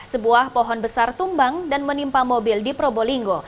sebuah pohon besar tumbang dan menimpa mobil di probolinggo